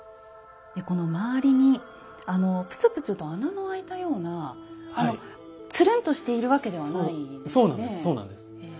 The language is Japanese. この周りにプツプツと穴の開いたようなつるんとしているわけではないんですね。